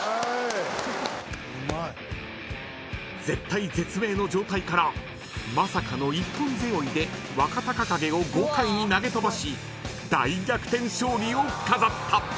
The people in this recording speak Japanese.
［絶体絶命の状態からまさかの一本背負いで若隆景を豪快に投げ飛ばし大逆転勝利を飾った］